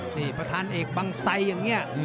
นี่ประธานเอกบังไซอย่างนี้